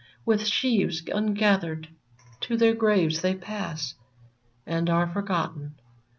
With sheaves ungathered to their graves they pass, And are forgotten.